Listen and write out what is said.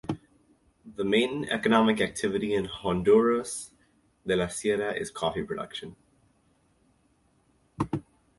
The main economic activity in Honduras de la Sierra is coffee production.